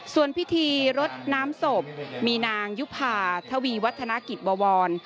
ส่วนพิธีรดน้ำศพมีนางยุภาทวีวัฒนกิจบวร